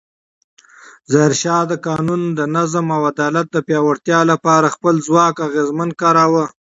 ظاهرشاه د قانون، نظم او عدالت د پیاوړتیا لپاره خپل ځواک اغېزمن کاراوه.